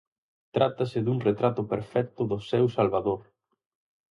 Trátase dun retrato perfecto do seu salvador.